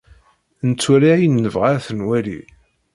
Nettwali ayen ay nebɣa ad t-nwali.